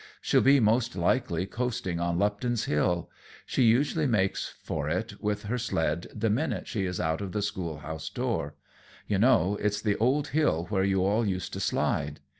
She'll be most likely coasting on Lupton's Hill. She usually makes for it with her sled the minute she is out of the school house door. You know, it's the old hill where you all used to slide.